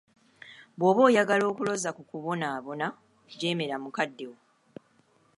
"Bw'oba oyagala okuloza ku kubonaabona, jeemera mukaddewo."